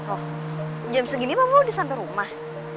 oh jam segini mbak bu udah sampai rumah